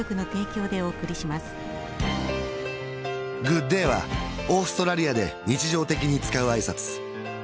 「グッデイ」はオーストラリアで日常的に使う挨拶